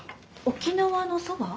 沖縄のそば？